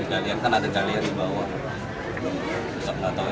kalian kan ada kalian dibawa